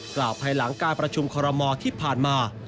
กล่าวภายหลังการประชุมคอรมมอร์ที่ผ่านมา